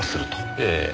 ええ。